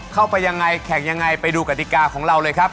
เข้าไปยังไงแข่งยังไงไปดูกติกาของเราเลยครับ